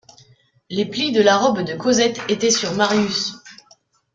Les plis de la robe de Cosette étaient sur Marius.